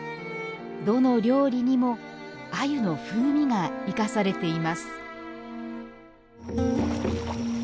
どの料理にも鮎の風味が生かされています